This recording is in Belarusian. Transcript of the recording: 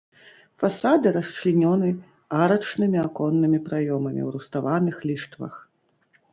Фасады расчлянёны арачнымі аконнымі праёмамі ў руставаных ліштвах.